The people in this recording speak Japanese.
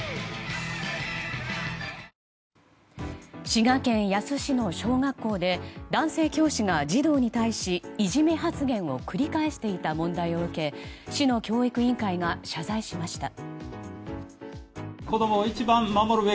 滋賀県野洲市の小学校で男性教師が児童に対しいじめ発言を繰り返していた問題を受け市の教育委員会が謝罪しました。